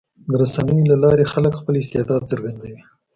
د رسنیو له لارې خلک خپل استعداد څرګندوي.